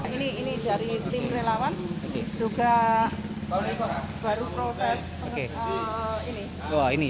ini dari tim relawan juga baru proses ini